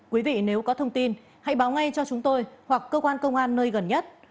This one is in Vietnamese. quý vị nếu có thông tin hãy báo ngay cho chúng tôi hoặc cơ quan công an nơi gần nhất